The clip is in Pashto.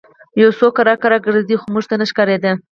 یو څوک ورو ورو ګرځېده خو موږ ته نه ښکارېده